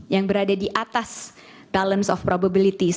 yang berada di atas balance of probabilities